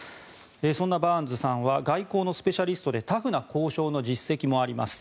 そんなバーンズさんは外交のスペシャリストでタフな交渉の実績もあります。